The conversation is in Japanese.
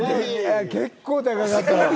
結構、高かったよ。